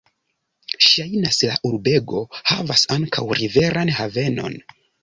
Ŝajnas, la urbego havas ankaŭ riveran havenon.